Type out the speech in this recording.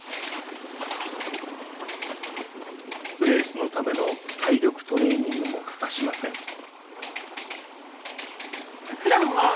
レースのための体力トレーニングも欠かしません